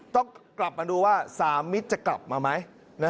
ต้องกลับมาดูว่า๓มิตรจะกลับมาไหม